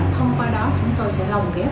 thông qua đó chúng tôi sẽ lồng ghép